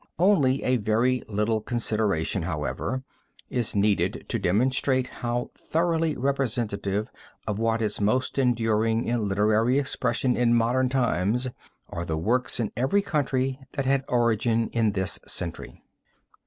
Only a very little consideration, however, is needed to demonstrate how thoroughly representative of what is most enduring in literary expression in modern times, are the works in every country that had origin in this century.